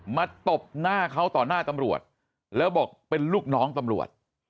ตบหน้าเขาต่อหน้าตำรวจแล้วบอกเป็นลูกน้องตำรวจ